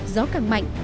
gió càng mạnh